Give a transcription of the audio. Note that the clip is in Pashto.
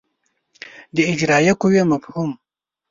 د اجرایه قوې مفهوم